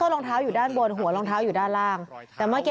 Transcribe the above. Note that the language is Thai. คือตอนนั้นเจ้าหน้าที่เขายังไม่รู้ว่าขนำตรงนี้จะมีใครอยู่หรือเปล่านะ